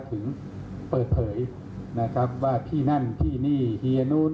ถึงเปิดเผยว่าพี่นั่นพี่นี่เฮียนู้น